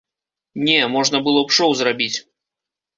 Не, можна было б шоў зрабіць.